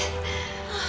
ああ。